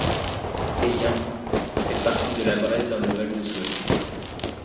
Feillens fait partie de la Bresse, dans le Val de Saône.